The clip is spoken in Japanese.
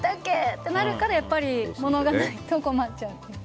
ってなるからやっぱり物がないと困っちゃうというか。